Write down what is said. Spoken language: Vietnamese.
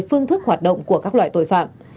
phương thức hoạt động của các loại tội phạm